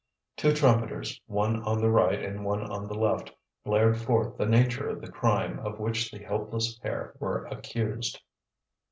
Two trumpeters, one on the right and one on the left, blared forth the nature of the crime of which the helpless pair were accused.